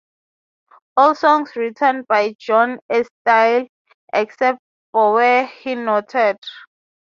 All songs written by John Easdale, except for where noted.